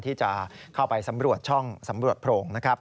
ที่จะเข้าไปสำรวจช่องสำรวจโพรงนะครับ